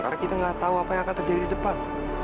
karena kita gak tau apa yang akan terjadi di depan